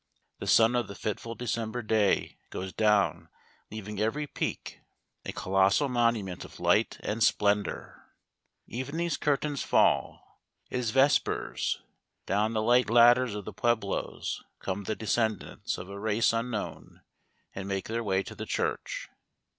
The sun of the fitful December day goes down leaving every peak a colossal monument of light and splendor. Evening's curtains fall. It is vespers. Down the light ladders of the pueblos come the descendants of a race unknown, and make their way to the church.